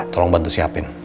tolong bantu siapin